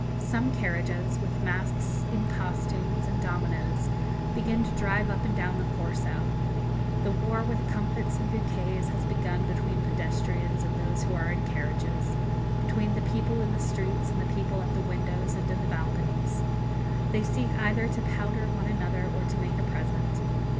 Some carriages, with masks in costumes and dominoes, begin to drive up and down the Corso; the war with comfits and bouquets has begun between pedestrians and those who are in carriages between the people in the streets and the people at the windows and in the balconies. They seek either to powder one another or to make a present.